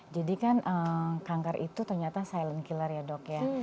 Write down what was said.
jadi kan kanker itu ternyata silent killer ya dok ya